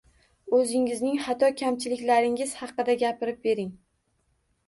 O‘zingizning xato-kamchiliklaringiz haqida gapirib bering.